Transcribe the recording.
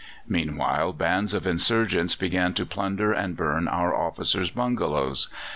Meanwhile bands of insurgents began to plunder and burn our officers' bungalows.